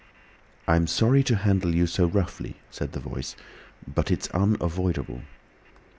"I'm sorry to handle you so roughly," said the Voice, "but it's unavoidable."